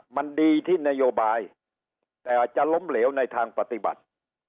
มันดีที่นโยบายแต่จะล้มเหลวในทางปฏิบัติ